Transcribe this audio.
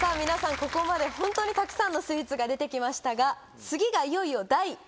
ここまで本当にたくさんのスイーツが出てきましたが次がいよいよ。